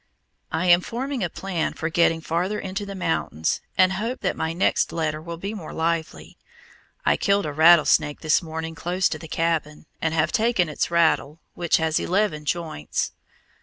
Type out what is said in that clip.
I am forming a plan for getting farther into the mountains, and hope that my next letter will be more lively. I killed a rattlesnake this morning close to the cabin, and have taken its rattle, which has eleven joints.